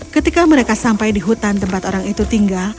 ketika mereka sampai di hutan tempat orang itu tinggal